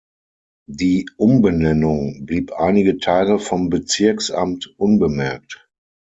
Die „Umbenennung“ blieb einige Tage vom Bezirksamt unbemerkt.